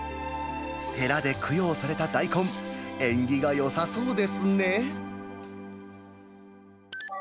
寺で供養された大根、縁起がよさそうですね。